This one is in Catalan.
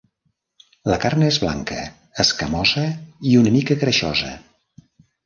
La carn és blanca, escamosa i una mica greixosa.